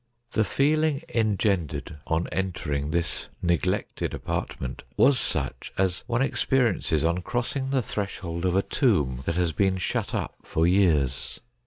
The feeling engendered on entering this neglected apart ment was such as one experiences on crossing the threshold of a tomb that has been shut up for years.